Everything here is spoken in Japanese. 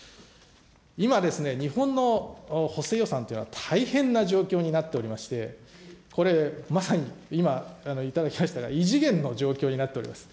今ですね、日本の補正予算というのは大変な状況になっておりまして、これ、まさに今、いただきましたが、異次元の状況になっております。